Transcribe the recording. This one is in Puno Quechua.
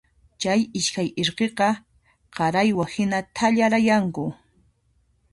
Chay iskay irqiqa qaraywa hina thallaranku.